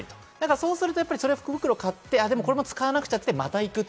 そうすると福袋買って、これも使わなくちゃってまた行く。